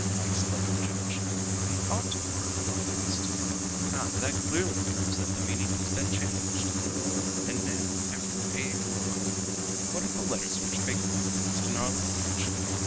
exclaimed the judge, "and it ought to occur the oftenest. Ah! that clearly proves that the meaning had been changed. And now, after a or o, what are the letters which figure oftenest in our language?